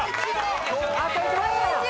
あと１問！